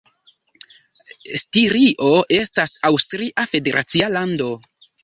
Stirio estas aŭstria federacia lando.